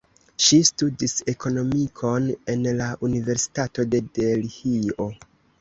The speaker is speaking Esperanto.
Ŝi studis ekonomikon en la Universitato de Delhio.